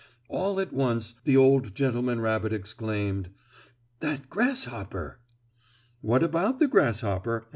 All at once the old gentleman rabbit exclaimed: "That grasshopper!" "What about the grasshopper?"